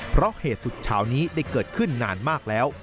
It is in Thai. เพราะเหตุสุดเช้านี้ได้เกิดขึ้นนานมากแล้ว